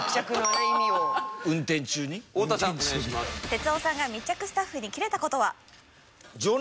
哲夫さんが密着スタッフにキレた事は？